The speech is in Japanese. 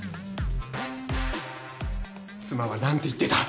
妻は何て言ってた？